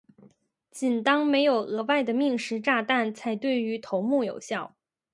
仅当没有额外的命时炸弹才对于头目有效。